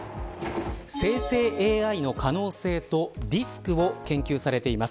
生成ＡＩの可能性とリスクを研究されています